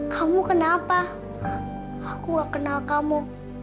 kamu kenapa aku gak kenal kamu